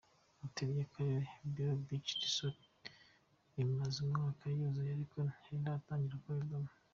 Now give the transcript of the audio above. Hoteli y’ akarere ka “Burera Beach resort” imaze umwaka yaruzuye ariko ntiratangira gukorerwamo.